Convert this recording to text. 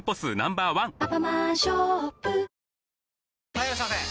・はいいらっしゃいませ！